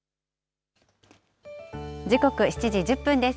時刻７時１０分です。